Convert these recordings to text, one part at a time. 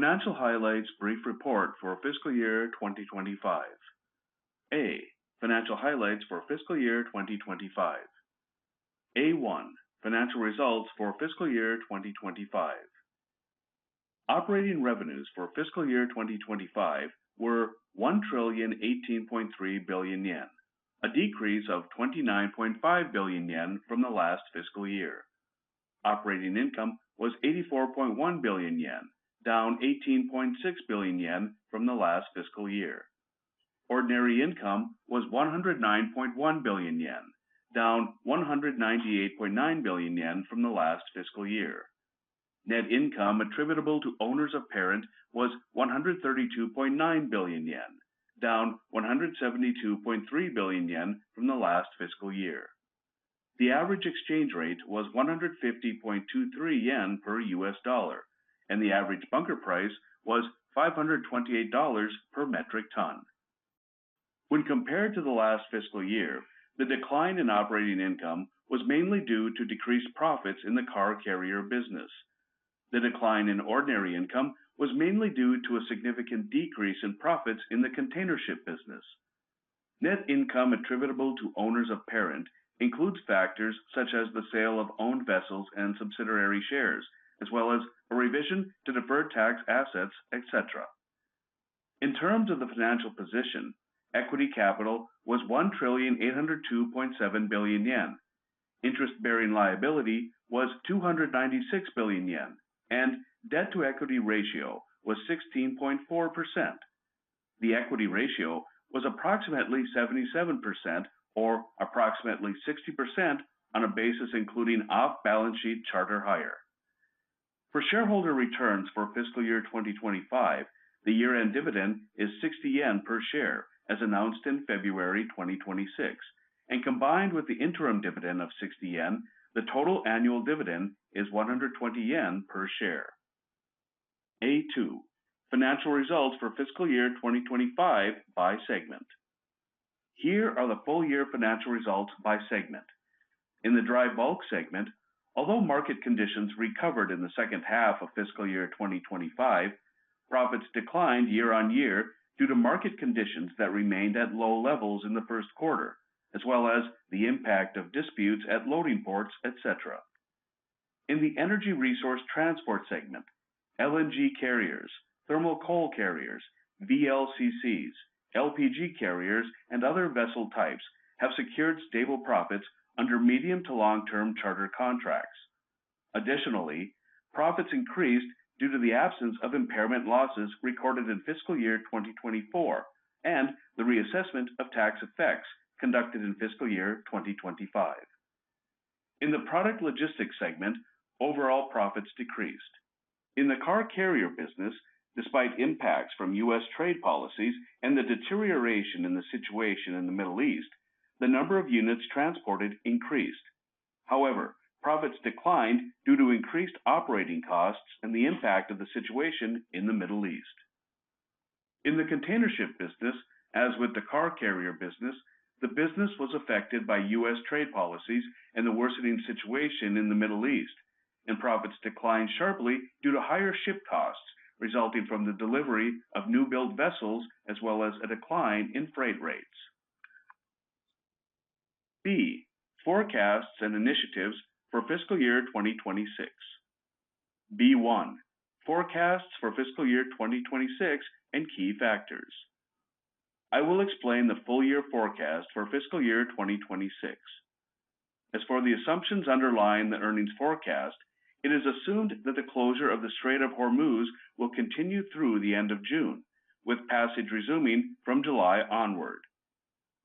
Financial highlights brief report for fiscal year 2025. A, financial highlights for fiscal year 2025. A-1, financial results for fiscal year 2025. Operating revenues for fiscal year 2025 were 1,018.3 billion yen, a decrease of 29.5 billion yen from the last fiscal year. Operating income was 84.1 billion yen, down 18.6 billion yen from the last fiscal year. Ordinary income was 109.1 billion yen, down 198.9 billion yen from the last fiscal year. Net income attributable to owners of parent was 132.9 billion yen, down 172.3 billion yen from the last fiscal year. The average exchange rate was 150.23 yen per US dollar, and the average bunker price was $528 per metric ton. When compared to the last fiscal year, the decline in operating income was mainly due to decreased profits in the car carrier business. The decline in ordinary income was mainly due to a significant decrease in profits in the container ship business. Net income attributable to owners of parent includes factors such as the sale of owned vessels and subsidiary shares, as well as a revision to deferred tax assets, et cetera. In terms of the financial position, equity capital was 1,802.7 billion yen. Interest-bearing liability was 296 billion yen, and debt-to-equity ratio was 16.4%. The equity ratio was approximately 77%, or approximately 60% on a basis including off-balance-sheet charter hire. For shareholder returns for fiscal year 2025, the year-end dividend is 60 yen per share, as announced in February 2026, and combined with the interim dividend of 60 yen, the total annual dividend is 120 yen per share. A-2, financial results for fiscal year 2025 by segment. Here are the full year financial results by segment. In the Dry Bulk segment, although market conditions recovered in the H2 of fiscal year 2025, profits declined year-on-year due to market conditions that remained at low levels in the Q1, as well as the impact of disputes at loading ports, et cetera. In the Energy Resource Transport segment, LNG carriers, thermal coal carriers, VLCCs, LPG carriers, and other vessel types have secured stable profits under medium- to long-term charter contracts. Additionally, profits increased due to the absence of impairment losses recorded in fiscal year 2024 and the reassessment of tax effects conducted in fiscal year 2025. In the Product Logistics segment, overall profits decreased. In the Car Carrier business, despite impacts from U.S. trade policies and the deterioration in the situation in the Middle East, the number of units transported increased. However, profits declined due to increased operating costs and the impact of the situation in the Middle East. In the Containership business, as with the Car Carrier business, the business was affected by U.S. trade policies and the worsening situation in the Middle East, and profits declined sharply due to higher ship costs resulting from the delivery of new-build vessels, as well as a decline in freight rates. B, forecasts and initiatives for fiscal year 2026. B-1, forecasts for fiscal year 2026 and key factors. I will explain the full year forecast for fiscal year 2026. As for the assumptions underlying the earnings forecast, it is assumed that the closure of the Strait of Hormuz will continue through the end of June, with passage resuming from July onward.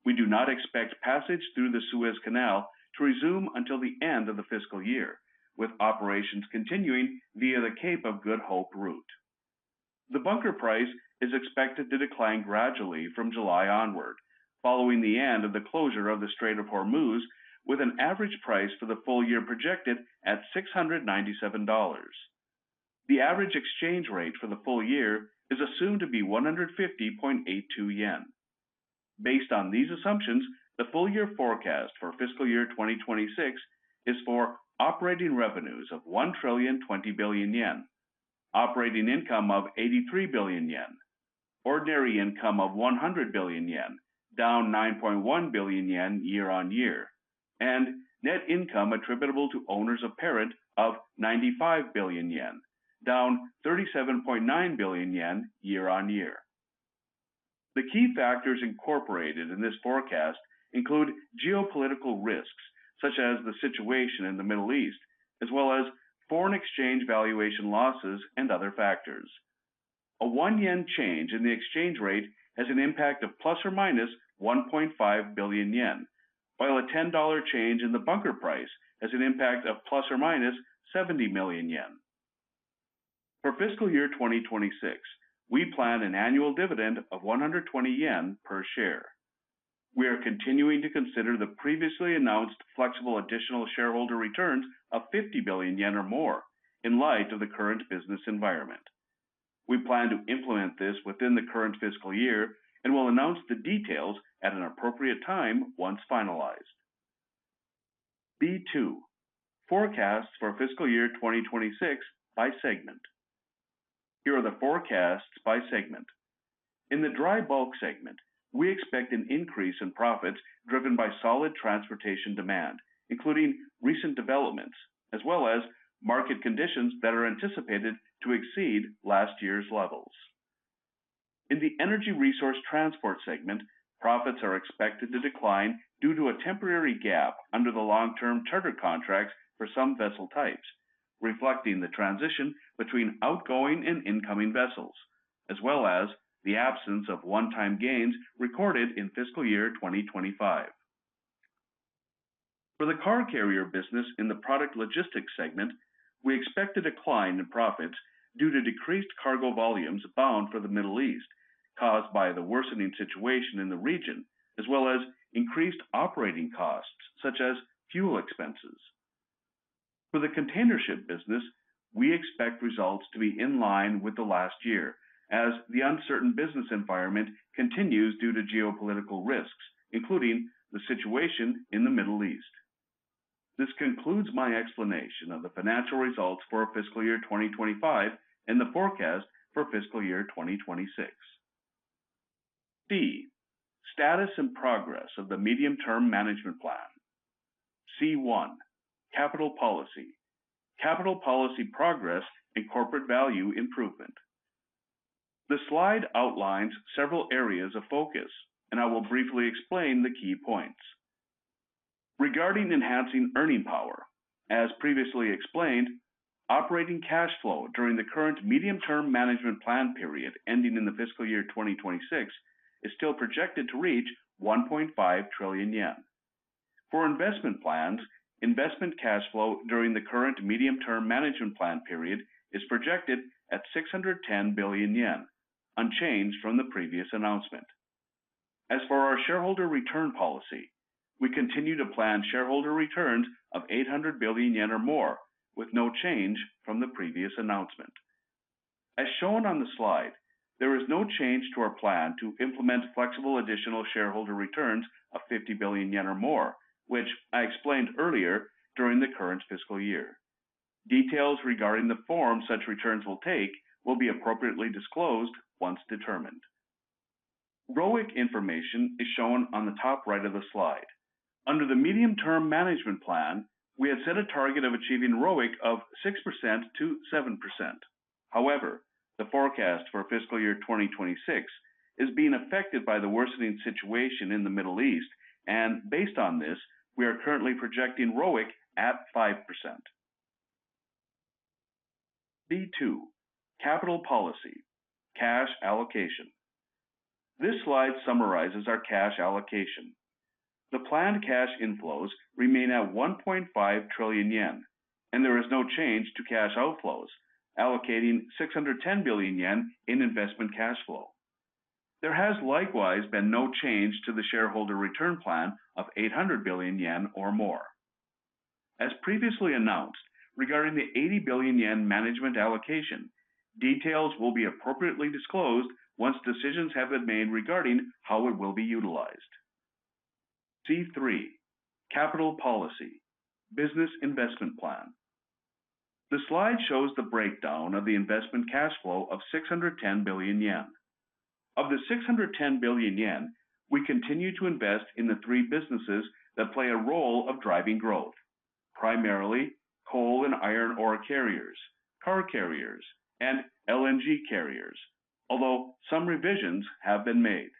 We do not expect passage through the Suez Canal to resume until the end of the fiscal year, with operations continuing via the Cape of Good Hope route. The bunker price is expected to decline gradually from July onward, following the end of the closure of the Strait of Hormuz, with an average price for the full year projected at $697. The average exchange rate for the full year is assumed to be 150.82 yen. Based on these assumptions, the full year forecast for fiscal year 2026 is for operating revenues of 1,020 billion yen, operating income of 83 billion yen, ordinary income of 100 billion yen, down 9.1 billion yen year-on-year, and net income attributable to owners of parent of 95 billion yen, down 37.9 billion yen year-on-year. The key factors incorporated in this forecast include geopolitical risks, such as the situation in the Middle East, as well as foreign exchange valuation losses and other factors. A 1 yen change in the exchange rate has an impact of ± 1.5 billion yen, while a 10 change in the bunker price has an impact of ± 70 million yen. For fiscal year 2026, we plan an annual dividend of 120 yen per share. We are continuing to consider the previously announced flexible additional shareholder returns of 50 billion yen or more in light of the current business environment. We plan to implement this within the current fiscal year and will announce the details at an appropriate time once finalized. B2. Forecasts for fiscal year 2026 by segment. Here are the forecasts by segment. In the Dry Bulk segment, we expect an increase in profits driven by solid transportation demand, including recent developments, as well as market conditions that are anticipated to exceed last year's levels. In the Energy Resource Transport segment, profits are expected to decline due to a temporary gap under the long-term charter contracts for some vessel types, reflecting the transition between outgoing and incoming vessels, as well as the absence of one-time gains recorded in fiscal year 2025. For the Car Carrier business in the Product Logistics segment, we expect a decline in profits due to decreased cargo volumes bound for the Middle East caused by the worsening situation in the region, as well as increased operating costs such as fuel expenses. For the Containership business, we expect results to be in line with the last year as the uncertain business environment continues due to geopolitical risks, including the situation in the Middle East. This concludes my explanation of the financial results for fiscal year 2025 and the forecast for fiscal year 2026. C, status and progress of the Medium-Term Management Plan. C1, capital policy. Capital policy progress and corporate value improvement. The slide outlines several areas of focus, and I will briefly explain the key points. Regarding enhancing earning power, as previously explained, operating cash flow during the current Medium-Term Management Plan period ending in the fiscal year 2026 is still projected to reach 1.5 trillion yen. For investment plans, investment cash flow during the current Medium-Term Management Plan period is projected at 610 billion yen, unchanged from the previous announcement. As for our shareholder return policy, we continue to plan shareholder returns of 800 billion yen or more, with no change from the previous announcement. As shown on the slide, there is no change to our plan to implement flexible additional shareholder returns of 50 billion yen or more, which I explained earlier during the current fiscal year. Details regarding the form such returns will take will be appropriately disclosed once determined. ROIC information is shown on the top right of the slide. Under the Medium-Term Management Plan, we had set a target of achieving ROIC of 6%-7%. However, the forecast for fiscal year 2026 is being affected by the worsening situation in the Middle East, and based on this, we are currently projecting ROIC at 5%. B2, capital policy, cash allocation. This slide summarizes our cash allocation. The planned cash inflows remain at 1.5 trillion yen, and there is no change to cash outflows, allocating 610 billion yen in investment cash flow. There has likewise been no change to the shareholder return plan of 800 billion yen or more. As previously announced, regarding the 80 billion yen management allocation, details will be appropriately disclosed once decisions have been made regarding how it will be utilized. C3, capital policy, business investment plan. The slide shows the breakdown of the investment cash flow of 610 billion yen. Of the 610 billion yen, we continue to invest in the three businesses that play a role of driving growth, primarily coal and iron ore carriers, car carriers, and LNG carriers, although some revisions have been made.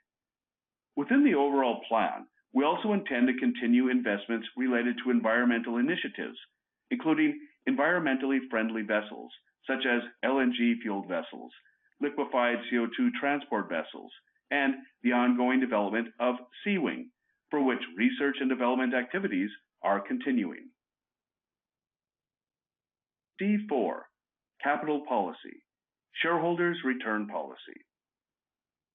Within the overall plan, we also intend to continue investments related to environmental initiatives, including environmentally friendly vessels such as LNG-fueled vessels, liquefied CO2 transport vessels, and the ongoing development of seawing, for which research and development activities are continuing. C4, capital policy, shareholders' return policy.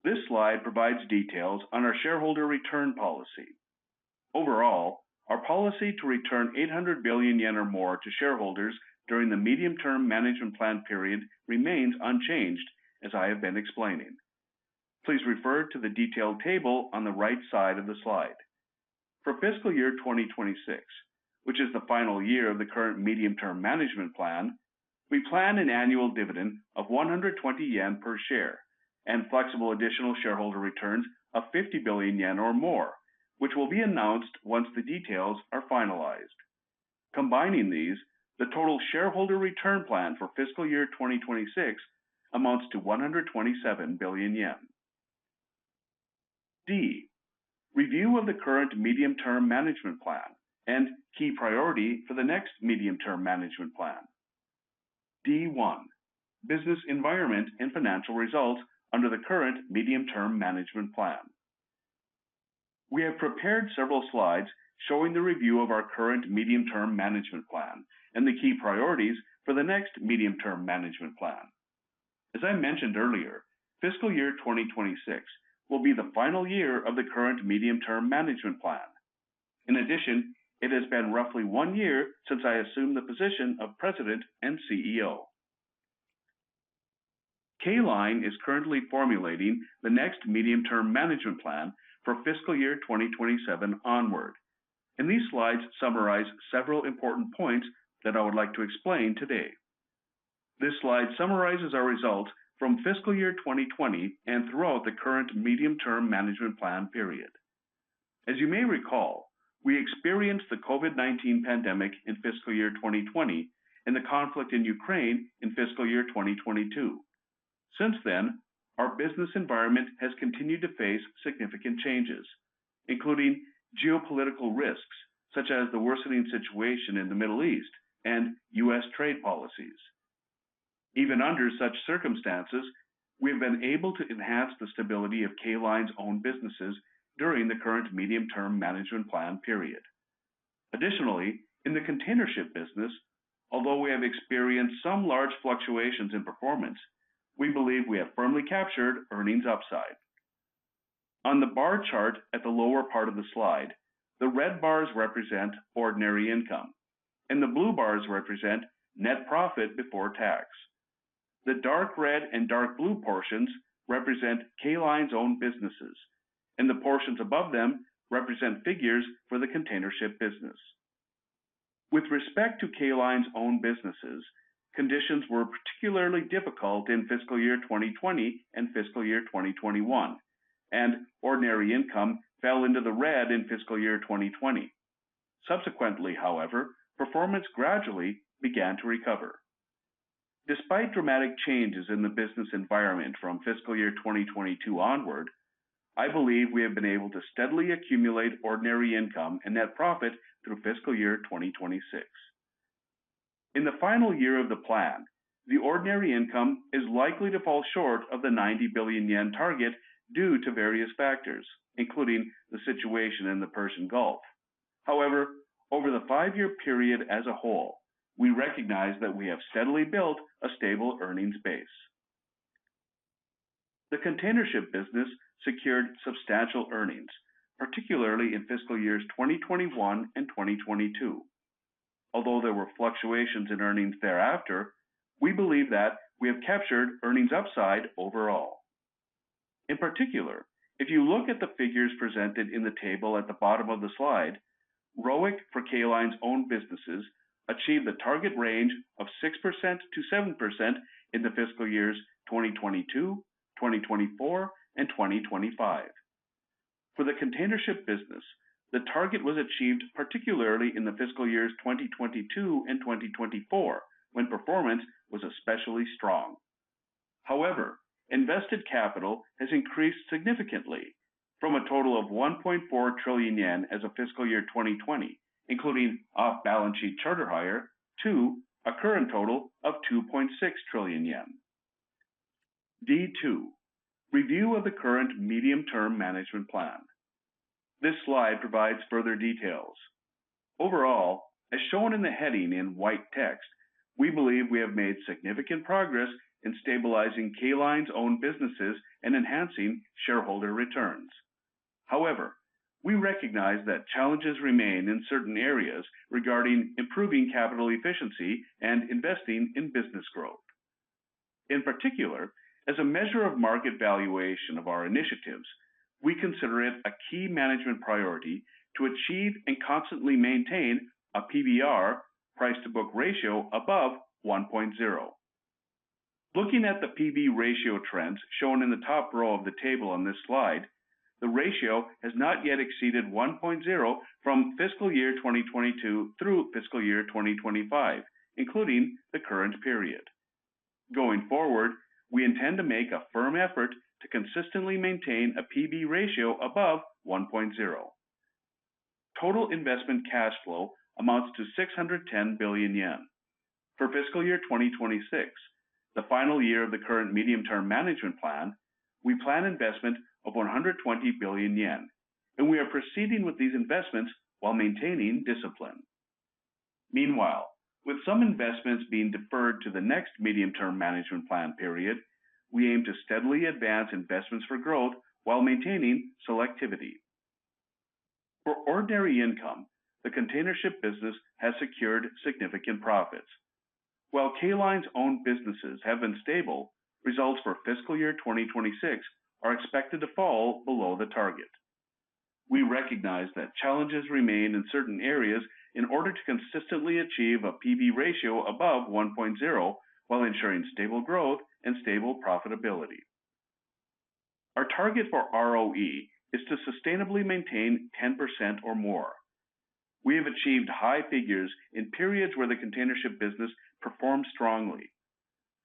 This slide provides details on our shareholder return policy. Overall, our policy to return 800 billion yen or more to shareholders during the Medium-Term Management Plan period remains unchanged, as I have been explaining. Please refer to the detailed table on the right side of the slide. For fiscal year 2026, which is the final year of the current Medium-Term Management Plan, we plan an annual dividend of 120 yen per share and flexible additional shareholder returns of 50 billion yen or more, which will be announced once the details are finalized. Combining these, the total shareholder return plan for fiscal year 2026 amounts to 127 billion yen. D, review of the current Medium-Term Management Plan and key priority for the next Medium-Term Management Plan. D1, business environment and financial results under the current Medium-Term Management Plan. We have prepared several slides showing the review of our current Medium-Term Management Plan and the key priorities for the next Medium-Term Management Plan. As I mentioned earlier, fiscal year 2026 will be the final year of the current Medium-Term Management Plan. In addition, it has been roughly one year since I assumed the position of President and CEO. K Line is currently formulating the next Medium-Term Management Plan for fiscal year 2027 onward, and these slides summarize several important points that I would like to explain today. This slide summarizes our results from fiscal year 2020 and throughout the current Medium-Term Management Plan period. As you may recall, we experienced the COVID-19 pandemic in fiscal year 2020, and the conflict in Ukraine in fiscal year 2022. Since then, our business environment has continued to face significant changes, including geopolitical risks such as the worsening situation in the Middle East and U.S. trade policies. Even under such circumstances, we have been able to enhance the stability of K Line's own businesses during the current Medium-Term Management Plan period. Additionally, in the containership business, although we have experienced some large fluctuations in performance, we believe we have firmly captured earnings upside. On the bar chart at the lower part of the slide, the red bars represent ordinary income, and the blue bars represent net profit before tax. The dark red and dark blue portions represent K Line's own businesses, and the portions above them represent figures for the containership business. With respect to K Line's own businesses, conditions were particularly difficult in fiscal year 2020 and fiscal year 2021, and ordinary income fell into the red in fiscal year 2020. Subsequently, however, performance gradually began to recover. Despite dramatic changes in the business environment from fiscal year 2022 onward, I believe we have been able to steadily accumulate ordinary income and net profit through fiscal year 2026. In the final year of the plan, the ordinary income is likely to fall short of the 90 billion yen target due to various factors, including the situation in the Persian Gulf. However, over the five-year period as a whole, we recognize that we have steadily built a stable earnings base. The containership business secured substantial earnings, particularly in fiscal years 2021 and 2022. Although there were fluctuations in earnings thereafter, we believe that we have captured earnings upside overall. In particular, if you look at the figures presented in the table at the bottom of the slide, ROIC for K Line's own businesses achieved the target range of 6%-7% in the fiscal years 2022, 2024, and 2025. For the containership business, the target was achieved particularly in the fiscal years 2022 and 2024, when performance was especially strong. However, invested capital has increased significantly from a total of 1.4 trillion yen as of fiscal year 2020, including off-balance-sheet charter hire, to a current total of 2.6 trillion yen. D2, review of the current Medium-Term Management Plan. This slide provides further details. Overall, as shown in the heading in white text, we believe we have made significant progress in stabilizing K Line's own businesses and enhancing shareholder returns. However, we recognize that challenges remain in certain areas regarding improving capital efficiency and investing in business growth. In particular, as a measure of market valuation of our initiatives, we consider it a key management priority to achieve and constantly maintain a PBR, price-to-book ratio above 1.0. Looking at the P/B ratio trends shown in the top row of the table on this slide, the ratio has not yet exceeded 1.0 from fiscal year 2022 through fiscal year 2025, including the current period. Going forward, we intend to make a firm effort to consistently maintain a P/B ratio above 1.0. Total investment cash flow amounts to 610 billion yen. For fiscal year 2026, the final year of the current Medium-Term Management Plan, we plan investment of 120 billion yen, and we are proceeding with these investments while maintaining discipline. Meanwhile, with some investments being deferred to the next Medium-Term Management Plan period, we aim to steadily advance investments for growth while maintaining selectivity. For ordinary income, the containership business has secured significant profits. While K Line's own businesses have been stable, results for fiscal year 2026 are expected to fall below the target. We recognize that challenges remain in certain areas in order to consistently achieve a P/B ratio above 1.0, while ensuring stable growth and stable profitability. Our target for ROE is to sustainably maintain 10% or more. We have achieved high figures in periods where the containership business performed strongly.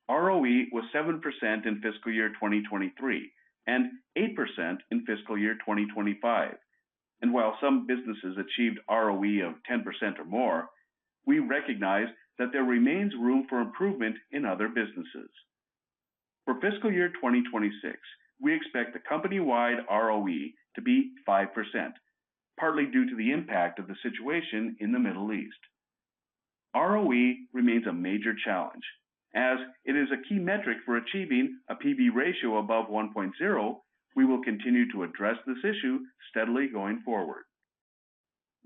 ROE was 7% in fiscal year 2023, and 8% in fiscal year 2025. While some businesses achieved ROE of 10% or more, we recognize that there remains room for improvement in other businesses. For fiscal year 2026, we expect the company-wide ROE to be 5%, partly due to the impact of the situation in the Middle East. ROE remains a major challenge, as it is a key metric for achieving a P/B ratio above 1.0. We will continue to address this issue steadily going forward.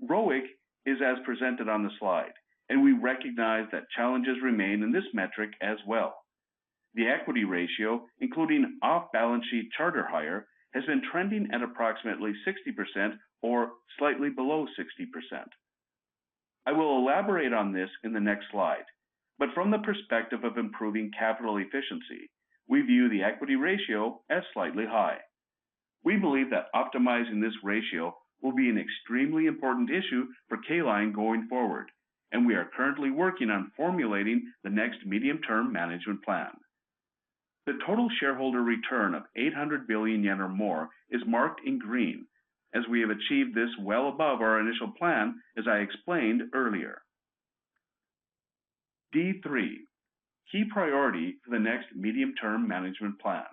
ROIC is as presented on the slide, and we recognize that challenges remain in this metric as well. The equity ratio, including off-balance-sheet charter hire, has been trending at approximately 60% or slightly below 60%. I will elaborate on this in the next slide. From the perspective of improving capital efficiency, we view the equity ratio as slightly high. We believe that optimizing this ratio will be an extremely important issue for K Line going forward, and we are currently working on formulating the next Medium-Term Management Plan. The total shareholder return of 800 billion yen or more is marked in green, as we have achieved this well above our initial plan, as I explained earlier. D3, key priority for the next Medium-Term Management Plan.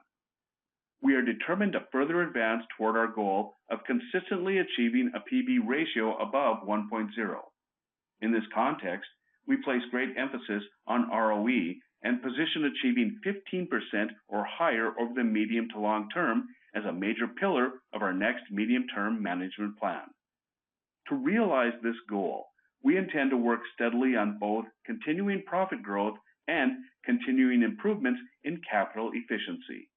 We are determined to further advance toward our goal of consistently achieving a P/B ratio above 1.0. In this context, we place great emphasis on ROE and position achieving 15% or higher over the medium to long term as a major pillar of our next Medium-Term Management Plan. To realize this goal, we intend to work steadily on both continuing profit growth and continuing improvements in capital efficiency.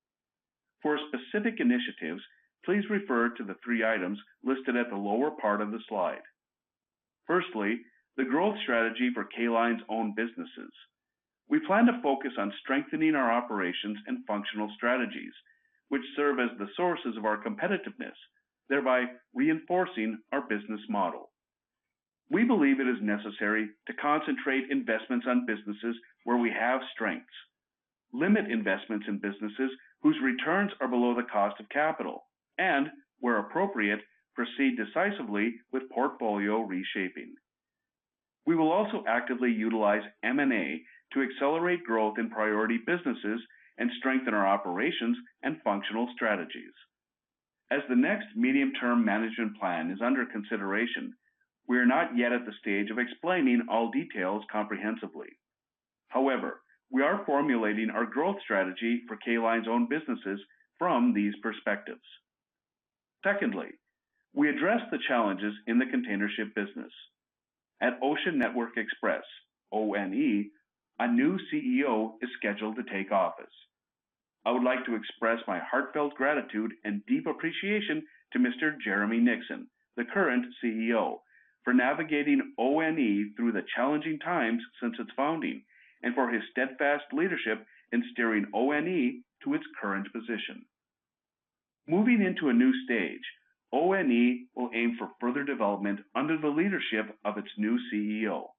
For specific initiatives, please refer to the three items listed at the lower part of the slide. Firstly, the growth strategy for K Line's own businesses. We plan to focus on strengthening our operations and functional strategies, which serve as the sources of our competitiveness, thereby reinforcing our business model. We believe it is necessary to concentrate investments on businesses where we have strengths, limit investments in businesses whose returns are below the cost of capital, and, where appropriate, proceed decisively with portfolio reshaping. We will also actively utilize M&A to accelerate growth in priority businesses and strengthen our operations and functional strategies. As the next Medium-Term Management Plan is under consideration, we are not yet at the stage of explaining all details comprehensively. However, we are formulating our growth strategy for K Line's own businesses from these perspectives. Secondly, we address the challenges in the containership business. At Ocean Network Express, ONE, a new CEO is scheduled to take office. I would like to express my heartfelt gratitude and deep appreciation to Mr. Jeremy Nixon, the current CEO, for navigating ONE through the challenging times since its founding, and for his steadfast leadership in steering ONE to its current position. Moving into a new stage, ONE will aim for further development under the leadership of its new CEO.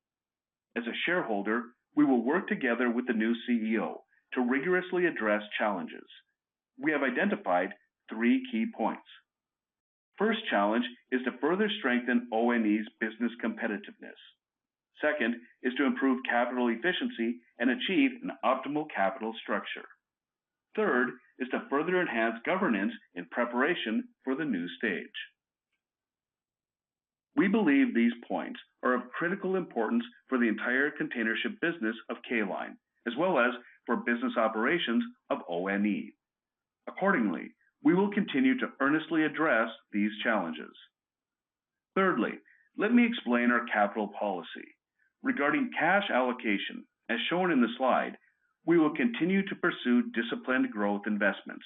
As a shareholder, we will work together with the new CEO to rigorously address challenges. We have identified three key points. First challenge is to further strengthen ONE's business competitiveness. Second is to improve capital efficiency and achieve an optimal capital structure. Third is to further enhance governance in preparation for the new stage. We believe these points are of critical importance for the entire containership business of K Line, as well as for business operations of ONE. Accordingly, we will continue to earnestly address these challenges. Thirdly, let me explain our capital policy. Regarding cash allocation, as shown in the slide, we will continue to pursue disciplined growth investments,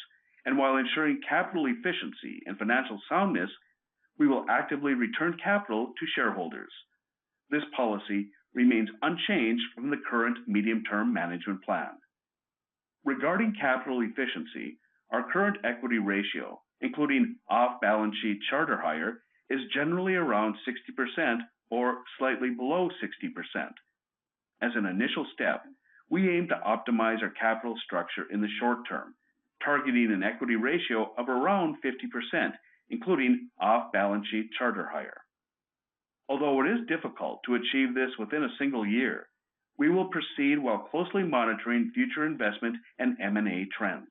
while ensuring capital efficiency and financial soundness, we will actively return capital to shareholders. This policy remains unchanged from the current Medium-Term Management Plan. Regarding capital efficiency, our current equity ratio, including off-balance-sheet charter hire, is generally around 60% or slightly below 60%. As an initial step, we aim to optimize our capital structure in the short term, targeting an equity ratio of around 50%, including off-balance-sheet charter hire. Although it is difficult to achieve this within a single year, we will proceed while closely monitoring future investment and M&A trends.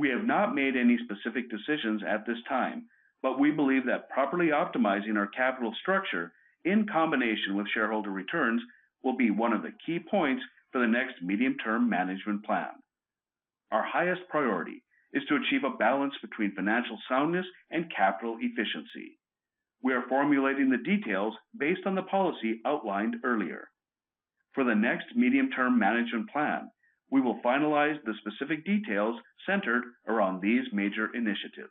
We have not made any specific decisions at this time, but we believe that properly optimizing our capital structure in combination with shareholder returns will be one of the key points for the next Medium-Term Management Plan. Our highest priority is to achieve a balance between financial soundness and capital efficiency. We are formulating the details based on the policy outlined earlier. For the next Medium-Term Management Plan, we will finalize the specific details centered around these major initiatives.